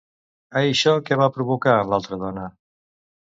Això què va provocar en l'altra dona?